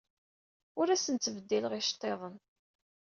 Ur asent-ttbeddileɣ iceḍḍiḍen.